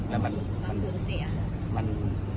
แล้วมันสูญเสีย